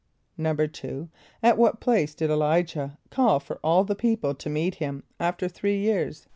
= =2.= At what place did [+E] l[=i]´jah call for all the people to meet him after three years?